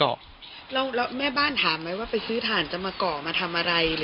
แล้วแม่บ้านถามไหมว่าไปซื้อถ่านจะมาก่อมาทำอะไร